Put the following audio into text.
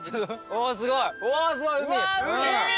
・おすごい海。